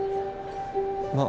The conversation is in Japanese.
まあ。